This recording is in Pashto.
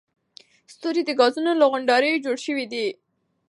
ستوري د ګازونو له غونډاریو جوړ شوي دي.